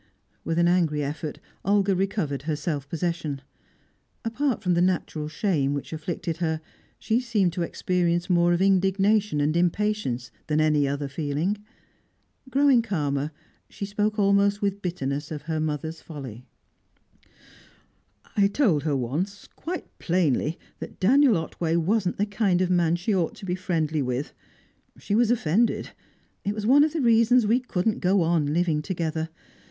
With an angry effort Olga recovered her self possession. Apart from the natural shame which afflicted her, she seemed to experience more of indignation and impatience than any other feeling. Growing calmer, she spoke almost with bitterness of her mother's folly. "I told her once, quite plainly, that Daniel Otway wasn't the kind of man she ought to be friendly with. She was offended: it was one of the reasons why we couldn't go on living together.